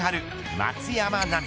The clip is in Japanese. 松山奈未